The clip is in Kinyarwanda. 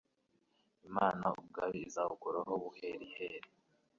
Imana ubwayo izagukuraho buheriheri